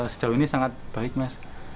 sejauh ini sangat baik mas